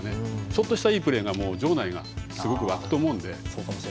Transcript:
ちょっとしたいいプレーで場内がすごく沸くと思うので。